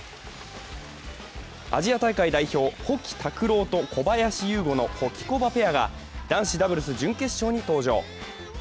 アジア大会代表、保木卓朗と小林優吾のホキコバペアがホキコバペアが男子ダブルス準決勝に登場。